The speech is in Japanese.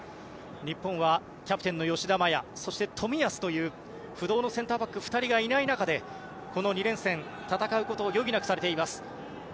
日本はキャプテンの吉田麻也そして冨安という不動のセンターバック２人がいない中この２連戦、戦うことを余儀なくされています。